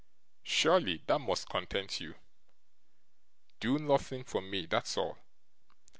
'Surely that must content you! Do nothing for me; that's all.